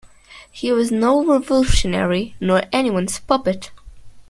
He was no revolutionary nor anyone's puppet.